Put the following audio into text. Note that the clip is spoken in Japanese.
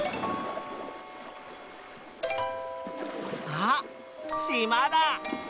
あっしまだ。